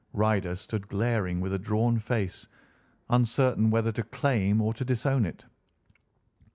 Ryder stood glaring with a drawn face, uncertain whether to claim or to disown it.